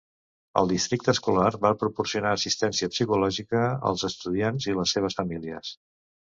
El districte escolar va proporcionar assistència psicològica als estudiants i les seves famílies.